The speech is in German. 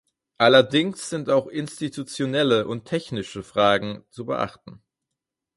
Allerdings sind auch institutionelle und technische Fragen zu beachten.